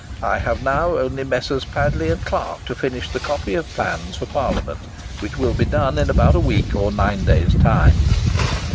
I have now only Messrs. Padley and Clarke to finish the copy of plans for Parliament, which will be done in about a week or nine days' time."